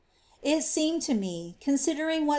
It seemed to me, considering what S.